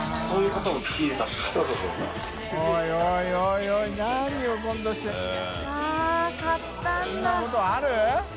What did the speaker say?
こんなことある？